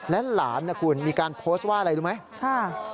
และหลานนะคุณมีการโพสต์ว่าอะไรรู้ไหม